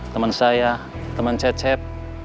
temen saya temen cecep